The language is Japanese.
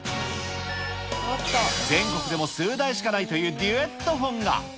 全国でも数台しかないというデュエットフォンが。